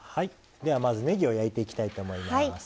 ではまずねぎを焼いていきたいと思います。